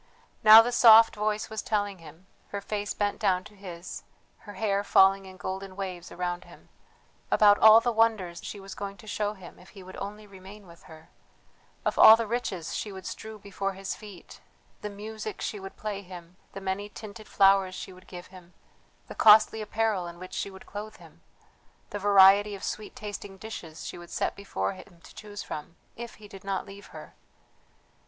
Now the soft voice was telling him her face bent down to his, her hair falling in golden waves around him about all the wonders she was going to show him if he would only remain with her, of all the riches she would strew before his feet, the music she would play him, the many tinted flowers she would give him, the costly apparel in which she would clothe him, the variety of sweet tasting dishes she would set before him to choose from ... if he did not leave her!